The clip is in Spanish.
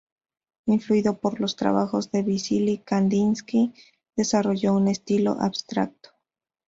Influido por los trabajos de Vasili Kandinski, desarrolló un estilo abstracto.